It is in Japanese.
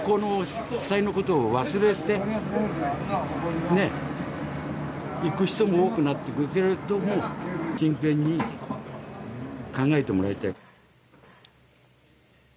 被災のことを忘れていく人も多くなっていくけれども、真剣に考えてもらいたい。